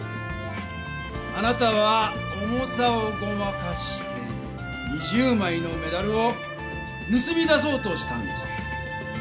あなたは重さをごまかして２０枚のメダルをぬすみ出そうとしたんです。